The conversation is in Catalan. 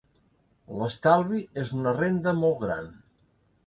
L'estalvi és una renda molt gran.